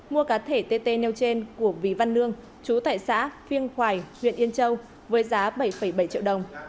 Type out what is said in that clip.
mua cá thể tê tê nêu trên của vy văn nương chú tại xã phiêng khoài huyện yên châu với giá bảy bảy triệu đồng